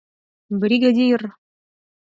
— Бригадир!